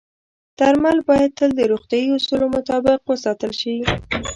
درمل باید تل د روغتیايي اصولو مطابق وساتل شي.